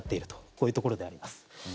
こういうところであります。